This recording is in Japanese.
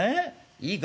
いいか？